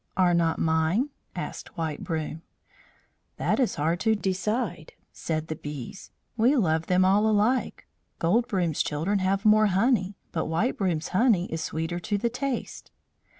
"Are not mine?" asked White Broom. "That is hard to decide," said the Bees. "We love them all alike. Gold Broom's children have more honey, but White Broom's honey is sweeter to the taste."